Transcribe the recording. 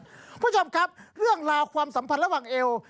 คุณผู้ชมครับเรื่องราวความสัมพันธ์ระหว่างเอว